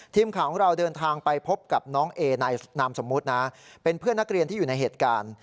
ทีมข่าวของเราเดินทางไปพบกับน้องเอในนามสมมุตินะเป็นเพื่อนนักเรียนที่อยู่ในเหตุการณ์